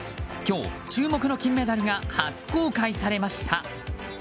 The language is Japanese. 今日、注目の金メダルが初公開されました。